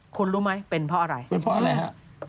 คุณรู้ไหมเป็นเพราะอะไรเป็นเพราะอะไรฮะ